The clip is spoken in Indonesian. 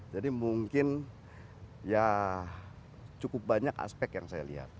jadi mungkin ya cukup banyak aspek yang saya lihat